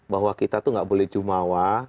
bahwa kita tuh gak boleh jumawa